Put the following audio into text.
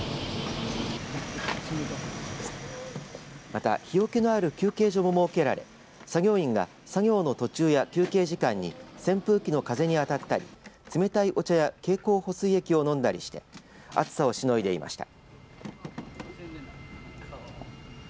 また日よけのある休憩所も設けられ作業員が作業の途中や休憩時間に扇風機の風に当たったり冷たいお茶や経口補水液を飲んだりして暑さをしのいでいました。